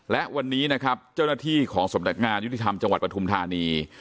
และวันนี้นะครับเจ้าหน้าที่ของสำนักงานยุติธรรมจังหวัดปฐุมธานี